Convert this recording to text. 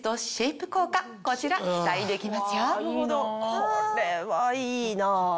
これはいいなぁ。